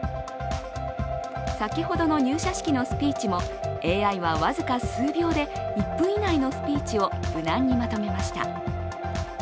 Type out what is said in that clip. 先ほどの入社式のスピーチもＡＩは僅か数秒で１分以内のスピーチを無難にまとめました。